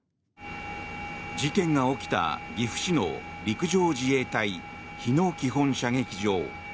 事件が起きた、岐阜市の陸上自衛隊日野基本射撃場。